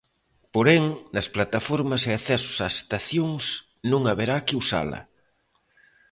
Porén, nas plataformas e accesos ás estacións non haberá que usala.